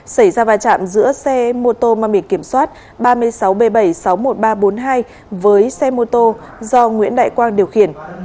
xảy ra va chạm giữa xe mô tô mang biển kiểm soát ba mươi sáu b bảy trăm sáu mươi một nghìn ba trăm bốn mươi hai với xe mô tô do nguyễn đại quang điều khiển